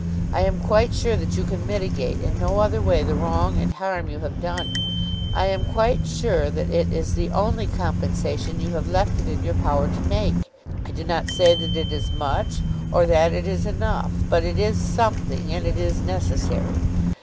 I am quite sure that you can mitigate in no other way the wrong and harm you have done. I am quite sure that it is the only compensation you have left it in your power to make. I do not say that it is much, or that it is enough; but it is something, and it is necessary.